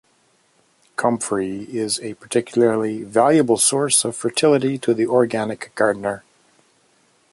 Comfrey is a particularly valuable source of fertility to the organic gardener.